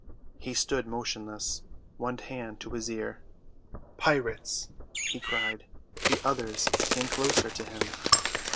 He stood motionless, one hand to his ear. "Pirates!" he cried. The others came closer to him.